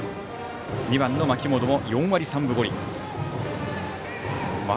２番の槇本も４割３分５厘。